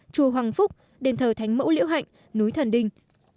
chùa hoàng phúc đền thờ thánh mẫu liễu hạnh núi thần đình